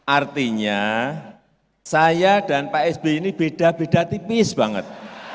artinya saya dan pak sby ini beda beda tipis banget